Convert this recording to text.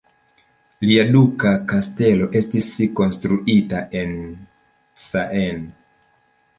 Lia duka kastelo estis konstruita en Caen.